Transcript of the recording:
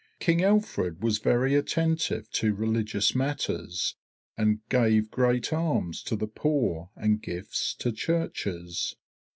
King Alfred was very attentive to religious matters, and gave great alms to the poor and gifts to churches.